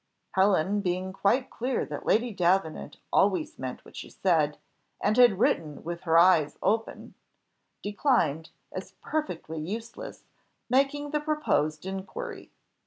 Helen being quite clear that Lady Davenant always meant what she said, and had written with her eyes open, declined, as perfectly useless, making the proposed inquiry.